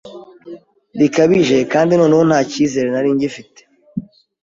bikabije kandi noneho nta kizere nari ngifite